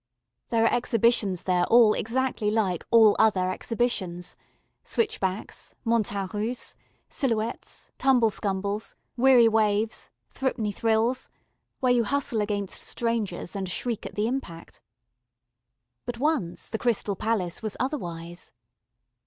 There are exhibitions there all exactly like all other exhibitions: Switch backs, Montagnes Russes, Silhouettes, Tumble scumbles, Weary waves, Threepenny thrills (where you hustle against strangers and shriek at the impact). But once the Crystal Palace was otherwise.